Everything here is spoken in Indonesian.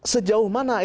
sejauh mana itu ada